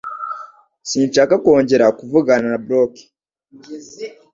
Sinshaka kongera kuvugana na bloke.